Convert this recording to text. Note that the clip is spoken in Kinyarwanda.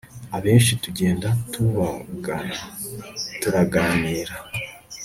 abenshi tugenda tubagana, turaganira